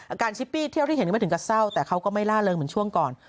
ชิปปี้เที่ยวที่เห็นไม่ถึงกับเศร้าแต่เขาก็ไม่ล่าเริงเหมือนช่วงก่อน